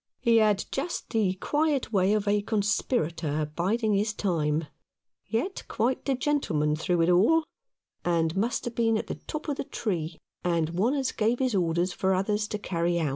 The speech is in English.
He had just the quiet way of a conspirator biding his time yet quite the gentleman through it all — and must have been at the top of the tree, and one as gave his orders for others to carry out.